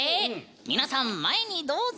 皆さん前にどうぞ！